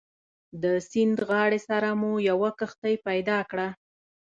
د سیند غاړې سره مو یوه کښتۍ پیدا کړه.